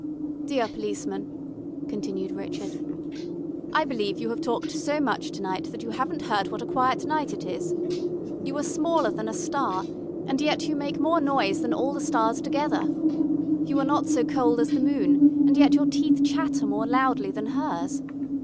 "Dear policeman," continued Richard. "I believe you have talked so much to night that you haven't heard what a quiet night it is. You are smaller than a star, and yet you make more noise than all the stars together. You are not so cold as the moon, and yet your teeth chatter more loudly than hers.